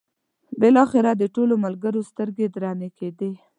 بالاخره د ټولو ملګرو سترګې درنې کېدې.